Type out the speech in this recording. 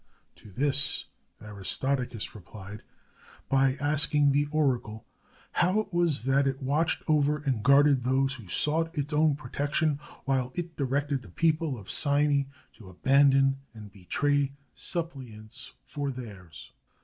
To this Aristodicus replied by asking the oracle how it was that it watched over and guarded those who sought its own protection, while it directed the people of Cyme to abandon and betray suppliants for theirs.